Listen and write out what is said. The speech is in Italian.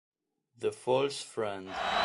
The False Friend